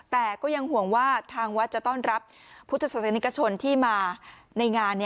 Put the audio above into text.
แต่ก็ยังห่วงว่าทางวัดจะต้อนรับพุทธศาสนิกชนที่มาในงาน